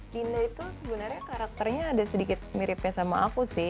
dino itu sebenarnya karakternya ada sedikit miripnya sama aku sih